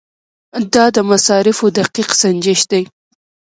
دا د مصارفو دقیق سنجش دی.